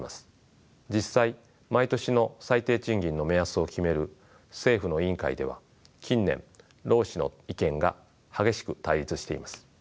実際毎年の最低賃金の目安を決める政府の委員会では近年労使の意見が激しく対立しています。